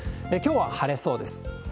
きょうは晴れそうです。